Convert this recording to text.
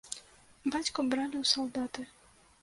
Бацьку бралі ў салдаты.